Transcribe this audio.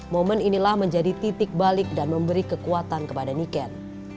momen inilah menjadi titik balik dan memberi kekuatan kepada niken